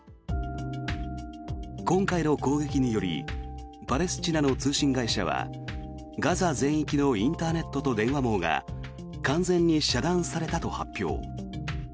今回の攻撃によりパレスチナの通信会社はガザ全域のインターネットと電話網が完全に遮断されたと発表。